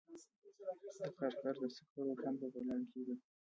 د کرکر د سکرو کان په بغلان کې دی